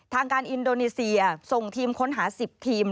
ทางการอินโดนีเซียส่งทีมค้นหา๑๐ทีม